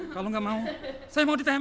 kalau gak mau saya mau ditembak